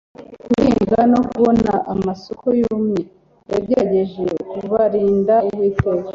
guhinga no kubona amasoko yumye. yagerageje kubarinda uwiteka